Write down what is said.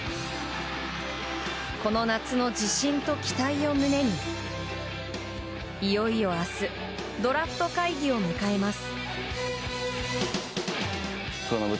この夏の自信と期待を胸にいよいよ明日ドラフト会議を迎えます。